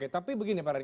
tapi begini pak radin